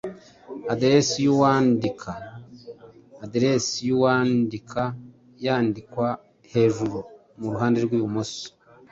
Aderesi y’uwandika: Aderesi y’uwandika yandikwa hejuru mu ruhande rw’imoso